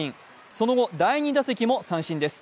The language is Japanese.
その後、第２打席も三振です。